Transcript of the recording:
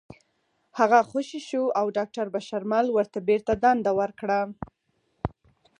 هغه خوشې شو او داکتر بشرمل ورته بېرته دنده ورکړه